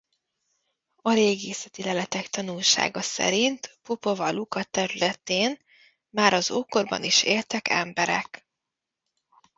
A régészeti leletek tanúsága szerint Popova Luka területén már az ókorban is éltek emberek.